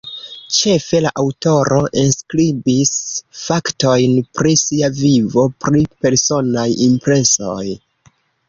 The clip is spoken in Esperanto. Ĉefe, la aŭtoro enskribis faktojn pri sia vivo, pri personaj impresoj.